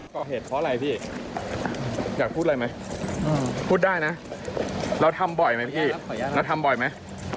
ก่อเหตุเพราะอะไรพี่อยากพูดอะไรไหมพูดได้นะเราทำบ่อยไหมพี่เราทำบ่อยไหม